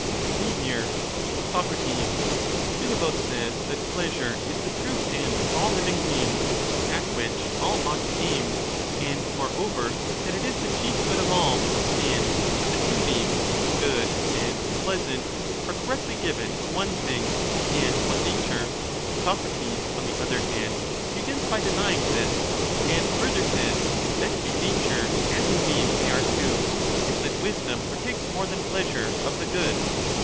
Let me hear. Soc. Philebus says that pleasure is the true end of all living beings, at which all ought to aim, and moreover that it is the chief good of all, and that the two names * good ' and 'pleasant' are correctly given to one thing and one nature; Socrates, on the other hand, begins by denying this, and further says, that in nature as in name they are two, and that wisdom partakes more than pleasure of the good.